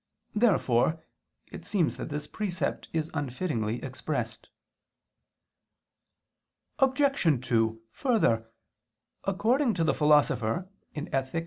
Therefore it seems that this precept is unfittingly expressed. Obj. 2: Further, according to the Philosopher (Ethic.